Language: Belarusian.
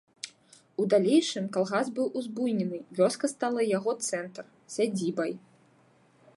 У далейшым калгас быў узбуйнены, вёска стала яго цэнтр, сядзібай.